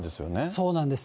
そうなんです。